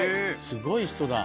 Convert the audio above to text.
すごい人だ。